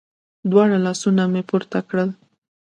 دواړه لاسونه به مې پورته کړل.